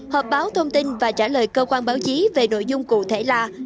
hợp báo thông tin và trả lời cơ quan báo chí về nội dung cụ thể là